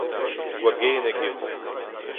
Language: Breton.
gwagennek eo